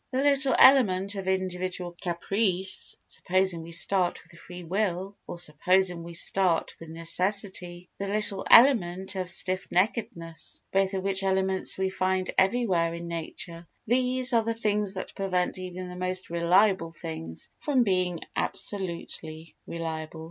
The little element of individual caprice (supposing we start with free will), or (supposing we start with necessity) the little element of stiffneckedness, both of which elements we find everywhere in nature, these are the things that prevent even the most reliable things from being absolutely reliable.